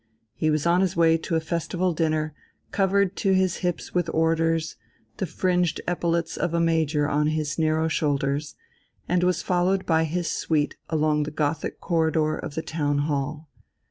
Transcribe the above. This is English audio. He was on his way to a festival dinner, covered to his hips with orders, the fringed epaulettes of a major on his narrow shoulders, and was followed by his suite along the Gothic corridor of the town hall.